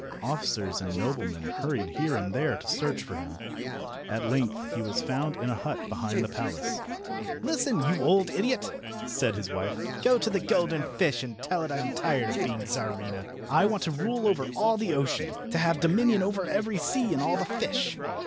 Officers and noblemen hurried here and there to search for him. At length he was found in a hut behind the palace. "Listen, you old idiot!" said his wife. "Go to the golden fish, and tell it that I am tired of being Czarina. I want to rule over all the ocean, to have dominion over every sea and all the fish."